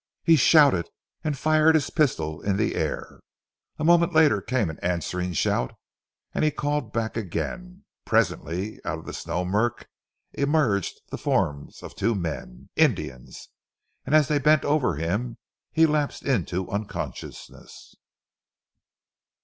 He shouted and fired his pistol in the air. A moment later came an answering shout, and he called back again. Presently, out of the snow murk emerged the forms of two men Indians, and as they bent over him he lapsed into unconsciousness.